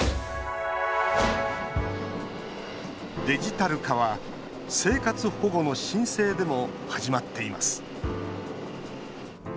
デジタル化は生活保護の申請でも始まっています。